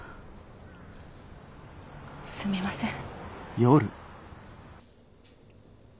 すみません。